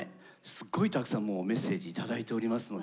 すっごいたくさんもうメッセージ頂いておりますので。